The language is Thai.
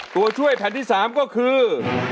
ตัวช่วยแผ่นที่๓ก็คือ